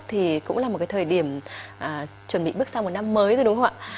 thì cũng là một cái thời điểm chuẩn bị bước sang một năm mới rồi đúng không ạ